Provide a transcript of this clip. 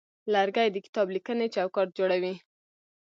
لرګی د کتابلیکنې چوکاټ جوړوي.